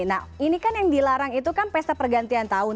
nah ini kan yang dilarang itu kan pesta pergantian tahun